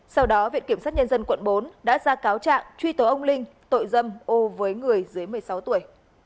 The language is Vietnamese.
sau đó viện kiểm sát nhân dân quận bốn đã ra cáo trạng truy tố ông linh tội dâm ô với người dưới một mươi sáu tuổi